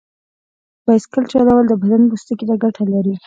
بایسکل چلول د بدن پوستکي ته ګټه لري.